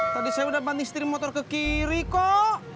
tadi saya udah banting setir motor ke kiri kok